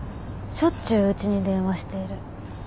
しょっちゅううちに電話している。